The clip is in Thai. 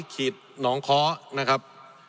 ขีดหนองค้อนะครับ